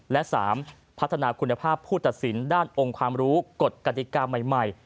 และ๓พัฒนาคุณภาพผู้ตัดสินด้านองค์ความรู้กฎกติกาใหม่